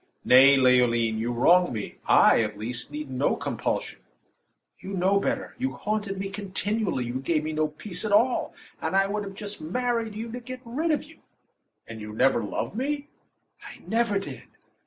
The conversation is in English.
"Nay, Leoline, you wrong me. I, at least, need no compulsion." "You know better. You haunted me continually; you gave me no peace at all; and I would just have married you to get rid of you." "And you never loved me?" "I never did."